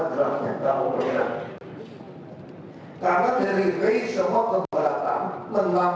sedangkan kebutuhan kalian besar